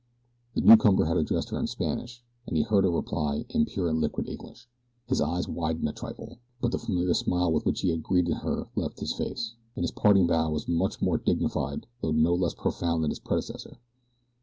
The newcomer had addressed her in Spanish, and as he heard her reply, in pure and liquid English, his eyes widened a trifle; but the familiar smile with which he had greeted her left his face, and his parting bow was much more dignified though no less profound than its predecessor.